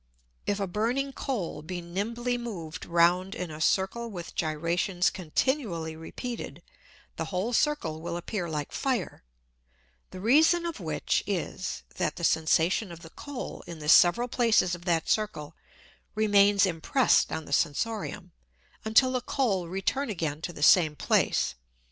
If a burning Coal be nimbly moved round in a Circle with Gyrations continually repeated, the whole Circle will appear like Fire; the reason of which is, that the Sensation of the Coal in the several Places of that Circle remains impress'd on the Sensorium, until the Coal return again to the same Place.